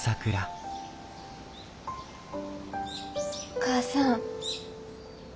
お母さん。